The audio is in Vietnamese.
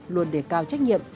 luôn đề cao trách nhiệm